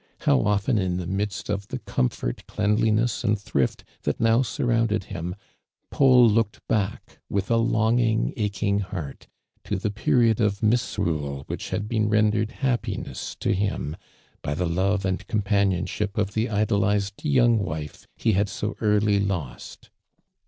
How often in the midst of the comfort, cleanliness and thrift that I'ow surrounded him. I'aul locked back with a longing, aching heart, to the l>eriod of misrule which had been re ndired happiness to him by the love and compan ionship ol' the idolized young wife he had so early lost.